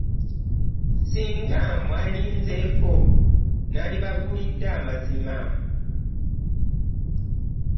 Ssinga mwalinzeeko nandibabuulidde amazima.